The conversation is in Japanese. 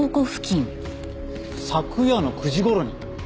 昨夜の９時頃に？